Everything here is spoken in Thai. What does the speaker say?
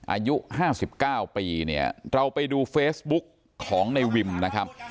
อายุ๕๙ปีเนี่ยเราไปดูเฟซบุ๊กของในวิมนะครับ